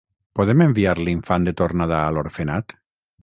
Podem enviar l'infant de tornada a l'orfenat?